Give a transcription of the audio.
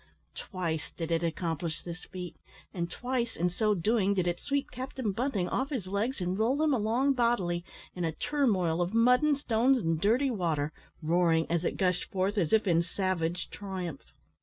Twice did it accomplish this feat, and twice, in so doing, did it sweep Captain Bunting off his legs and roll him along bodily, in a turmoil of mud and stones and dirty water, roaring, as it gushed forth, as if in savage triumph.